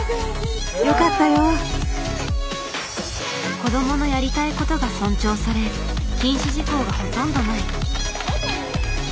「子どものやりたいこと」が尊重され禁止事項がほとんどない。